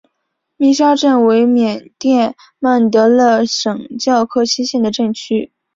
密沙镇为缅甸曼德勒省皎克西县的镇区。